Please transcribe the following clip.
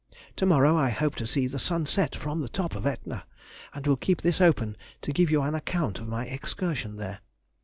To morrow I hope to see the sun set from the top of Etna, and will keep this open to give you an account of my excursion there.